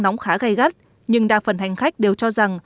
nóng khá gây gắt nhưng đa phần hành khách đều cho rằng